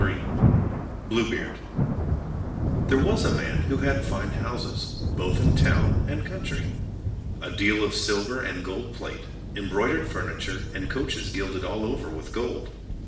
(page 40)] Blue Beard There was a man who had fine houses, both in town and country, a deal of silver and gold plate, embroidered furniture, and coaches gilded all over with gold.